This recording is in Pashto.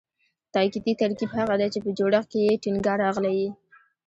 تاکیدي ترکیب هغه دﺉ، چي په جوړښت کښي ئې ټینګار راغلی یي.